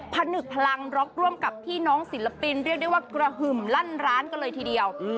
ผนึกพลังร็อกร่วมกับพี่น้องศิลปินเรียกได้ว่ากระหึ่มลั่นร้านกันเลยทีเดียว